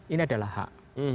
ini adalah hak